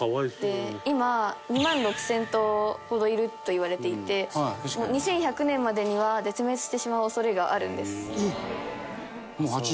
今２万６０００頭ほどいるといわれていて２１００年までには絶滅してしまう恐れがあるんです。